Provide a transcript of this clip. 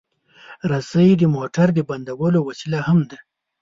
رسۍ د موټر د بندولو وسیله هم ده.